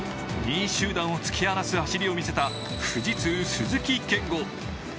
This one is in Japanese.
２位集団を突き放す走りを見せた富士通・鈴木健吾。